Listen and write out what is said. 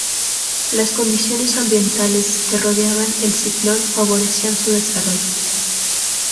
Las condiciones ambientales que rodeaban el ciclón favorecieron su desarrollo.